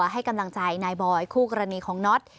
ให้กำลังใจนายบอยคู่กรณีของน็อต